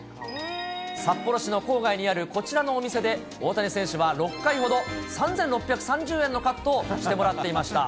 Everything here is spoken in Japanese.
札幌市の郊外にあるこちらのお店で、大谷選手は６回ほど、３６３０円のカットをしてもらっていました。